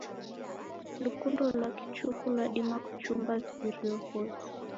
Lukundo lwa kichuku lwadima kuchumba vighirio vose.